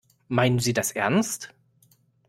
Meinen Sie das ernst?